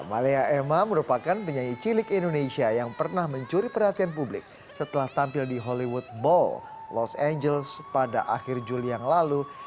malia emma merupakan penyanyi cilik indonesia yang pernah mencuri perhatian publik setelah tampil di hollywood ball los angeles pada akhir juli yang lalu